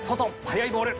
速いボール。